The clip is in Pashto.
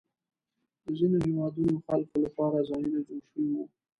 د ځینو هېوادونو خلکو لپاره ځایونه جوړ شوي وو.